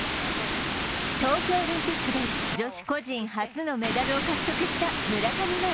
東京オリンピックで女子個人初のメダルを獲得した村上茉愛。